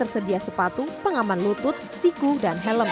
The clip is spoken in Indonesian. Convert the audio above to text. sedia sepatu pengaman lutut siku dan helm